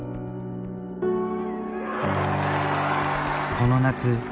この夏。